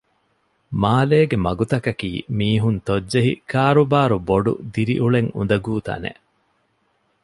މާލޭގެ މަގުތަކަކީ މީހުން ތޮއްޖެހި ކާރުބާރު ބޮޑު ދިރިއުޅެން އުނދަގޫ ތަނެއް